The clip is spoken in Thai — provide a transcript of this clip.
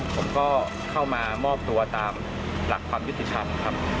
ผมก็เข้ามามอบตัวตามหลักความยุติธรรมครับ